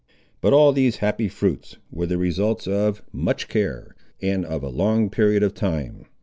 But all these happy fruits were the results of much care, and of a long period of time.